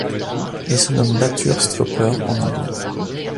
Il se nomme Bathurst Copper en anglais.